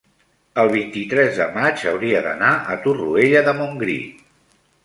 el vint-i-tres de maig hauria d'anar a Torroella de Montgrí.